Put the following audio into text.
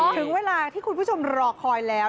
ถึงเวลาที่คุณผู้ชมรอคอยแล้ว